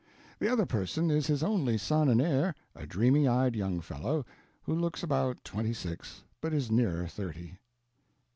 The other person is his only son and heir, a dreamy eyed young fellow, who looks about twenty six but is nearer thirty.